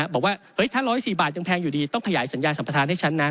บอกว่าถ้า๑๐๔บาทยังแพงอยู่ดีต้องขยายสัญญาสัมประธานให้ชั้นนั้น